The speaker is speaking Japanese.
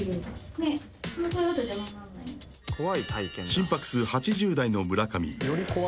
［心拍数８０台の村上］